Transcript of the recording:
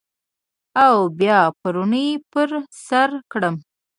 او بیا پوړنی پر سرکړم